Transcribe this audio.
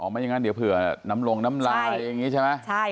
ไม่อย่างนั้นเดี๋ยวเผื่อน้ำลงน้ำลายอย่างนี้ใช่ไหม